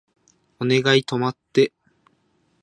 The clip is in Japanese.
お願い止まって